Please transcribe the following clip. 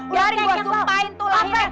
biarin gue sumpahin tuh lahirnya